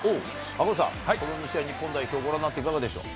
赤星さん、この間の試合、日本代表ご覧になって、いかがでしたか。